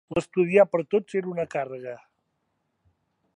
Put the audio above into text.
L'estudiar, per tots, era una càrrega;